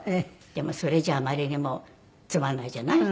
でもそれじゃああまりにもつまらないじゃない？